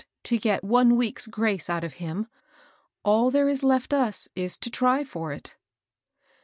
to get one week's grace out of Iiiin. All there is left us is to try for it."